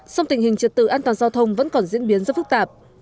sông tình hình trật tự an toàn giao thông vẫn còn diễn biến rất phức tạp